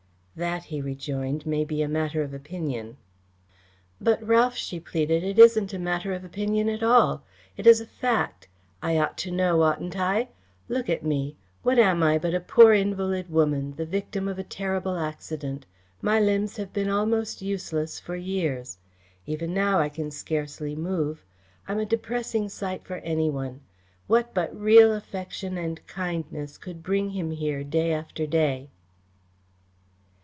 "That," he rejoined, "may be a matter of opinion." "But Ralph," she pleaded, "it isn't a matter of opinion at all. It is a fact. I ought to know, oughtn't I? Look at me. What am I but a poor invalid woman, the victim of a terrible accident. My limbs have been almost useless for years. Even now I can scarcely move. I am a depressing sight for any one. What but real affection and kindness could bring him here day after day?"